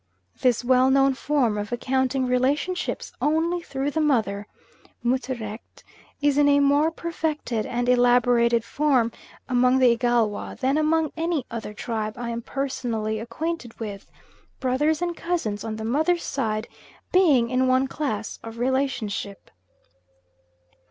This well known form of accounting relationships only through the mother (Mutterrecht) is in a more perfected and elaborated form among the Igalwa than among any other tribe I am personally acquainted with; brothers and cousins on the mother's side being in one class of relationship.